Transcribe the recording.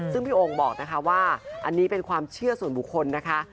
ซึ่งพี่โอ่งบอกนะคะว่าอันนี้เป็นความเชื่อส่วนบุคคลนะคะ